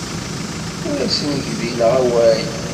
Ur asen-gdileɣ awal.